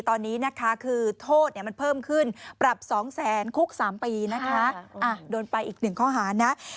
ตอนนี้นะคะคือโทษมันเพิ่มขึ้นปรับ๒๐๐๐๐๐คุก๓ปีนะคะ